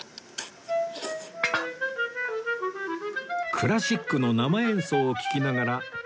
クラシックの生演奏を聴きながらたぬきうどん